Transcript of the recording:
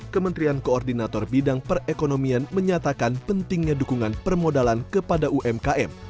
kementerian koordinator bidang perekonomian menyatakan pentingnya dukungan permodalan kepada umkm